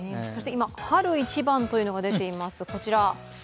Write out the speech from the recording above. そして今、春一番というのが出ています、こちら。